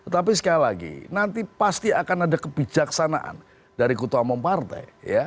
tapi sekali lagi nanti pasti akan ada kebijaksanaan dari ketua umum partai